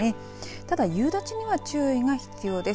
ただ、夕立には注意が必要です。